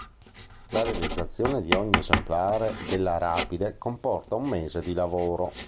La realizzazione di ogni esemplare della Rapide comporta un mese di lavoro.